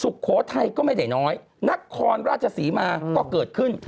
สุโขทัยก็ไม่ได้น้อยนครราชศรีมาก็เกิดขึ้น